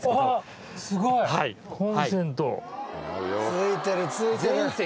付いてる付いてる！